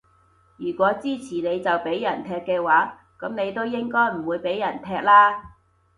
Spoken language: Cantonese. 如果支持你就畀人踢嘅話，噉你都應該會畀人踢啦